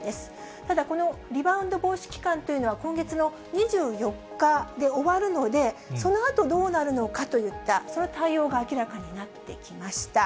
ただ、このリバウンド防止期間というのは、今月の２４日で終わるので、そのあとどうなるのかといった、その対応が明らかになってきました。